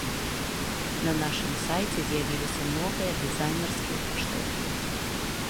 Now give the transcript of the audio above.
На нашым сайце з'явіліся новыя дызайнерскія паштоўкі.